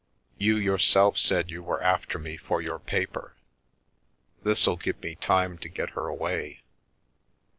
You yourself said you were after me for your pape ThisTl give me time to get her away.